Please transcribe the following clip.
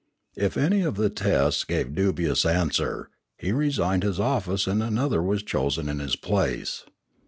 If any of the tests gave dubious answer, he resigned his office and another was chosen in his place.